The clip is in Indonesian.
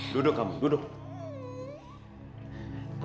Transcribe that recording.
duduk kamu duduk